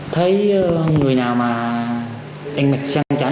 thấy người nào mà đánh mạch chăn chắn